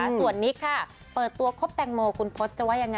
ส่วนนิกค่ะเปิดตัวคบแตงโมคุณพศจะว่ายังไง